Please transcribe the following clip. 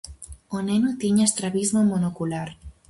O neno tiña estrabismo monocular.